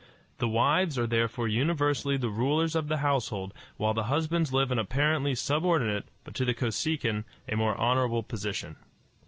The wives are therefore universally the rulers of the household while the husbands have an apparently subordinate, but, to the Kosekin, a more honorable position.